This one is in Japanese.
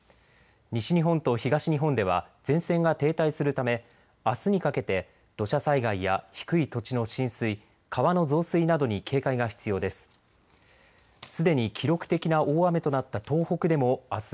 西日本と東日本では前線が停滞するため、あすにかけて土砂災害や低い土地の浸水、川の増水などに警戒が必要です。